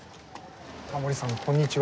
タモリさんこんにちは。